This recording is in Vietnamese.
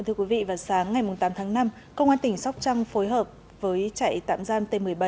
thưa quý vị vào sáng ngày tám tháng năm công an tỉnh sóc trăng phối hợp với chạy tạm gian t một mươi bảy